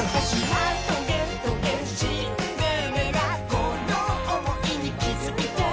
「このおもいにきづいて」